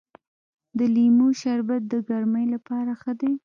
د لیمو شربت د ګرمۍ لپاره ښه دی.